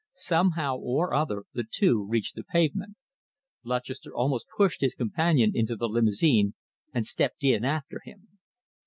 Somehow or other the two reached the pavement. Lutchester almost pushed his companion into the limousine and stepped in after him.